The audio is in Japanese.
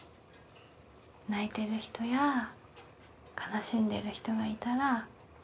泣いてる人や悲しんでる人がいたら